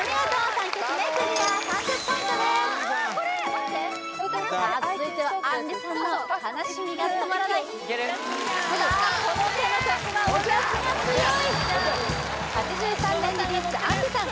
３曲目クリア３０ポイントですあっこれ歌える？さあ続いては杏里さんの「悲しみがとまらない」さあこの手の曲はおじゃすが強い８３年リリース杏里さん